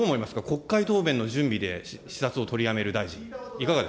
国会答弁の準備で視察を取りやめる大臣。